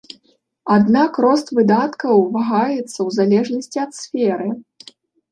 Аднак рост выдаткаў вагаецца ў залежнасці ад сферы.